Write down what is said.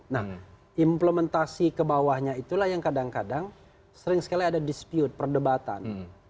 nah implementasi ke bawahnya itulah yang kadang kadang sering sekali ada dispute perdebatan